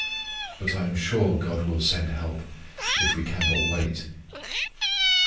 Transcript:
But I am sure God will send help, if we can but wait.